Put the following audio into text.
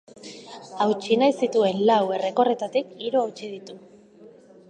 Hautsi nahi zituen lau errekorretatik hiru hautsi ditu.